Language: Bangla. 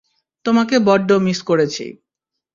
তোমাকে বড্ড মিস করেছি।